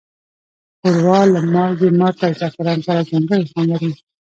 ښوروا له مالګې، مرچ، او زعفران سره ځانګړی خوند لري.